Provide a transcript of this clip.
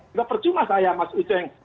tidak percuma saya mas uceng